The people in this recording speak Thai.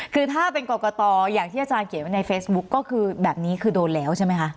คือถ้าเป็นกรกตอย่างที่อาจารย์เขียนไว้ในเฟซบุ๊คก็คือแบบนี้คือโดนแล้วใช่ไหมคะ